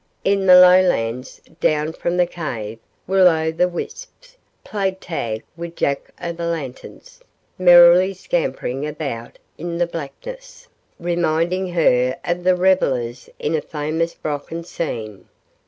In the lowlands down from the cave "will o' the wisps" played tag with "Jack o' the lanterns," merrily scampering about in the blackness, reminding her of the revellers in a famous Brocken scene.